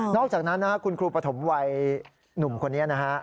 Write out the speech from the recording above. อกจากนั้นนะครับคุณครูปฐมวัยหนุ่มคนนี้นะฮะ